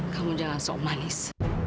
kamu jangan sok manis